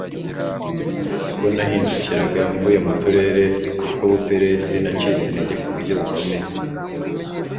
ubwo nahindukiraga mvuye mu turere tw'ubuperisi nacitse intege ku buryo bukomeye